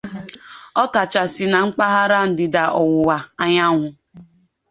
ọkachasị na mpaghara ndịda-ọwụwa anyanwụ